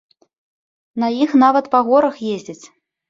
На іх нават па горах ездзяць.